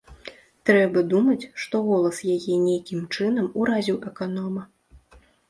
Трэба думаць, што голас яе нейкім чынам уразіў аканома.